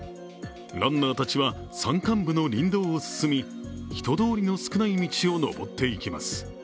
ランナーたちは山間部の林道を進み、人通りの少ない道を登っていきます。